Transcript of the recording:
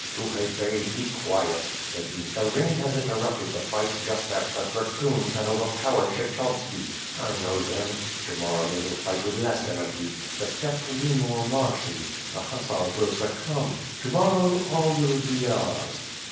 "Tukhay Bey be quiet," said he. "The rain has inter rupted the fight just as the dragoons had overpowered Kshec hovski. I know them. To morrow they will fight with less energy. The steppes will be more marshy. The hussars will succomb. To morrow, all will be ours."